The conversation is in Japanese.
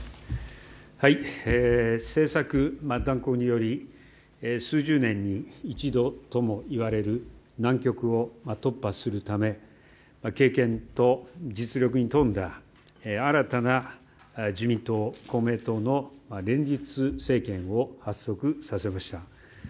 政策断行により数十年に一度ともいわれる難局を突破するため経験と実力に富んだ新たな自民党・公明党の連立政権を発足させました。